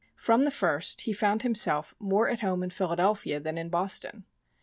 From the first he found himself more at home in Philadelphia than in Boston.